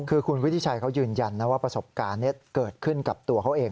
คือคุณวุฒิชัยเขายืนยันนะว่าประสบการณ์นี้เกิดขึ้นกับตัวเขาเอง